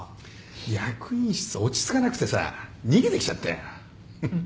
役員室落ち着かなくてさ逃げてきちゃったよ。